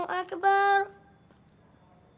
ya allah aku berdoa kepada tuhan